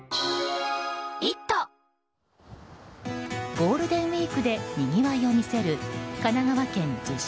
ゴールデンウィークでにぎわいを見せる神奈川県逗子